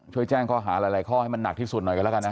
แจ้งข้อหาหลายข้อให้มันหนักที่สุดหน่อยกันแล้วกันนะ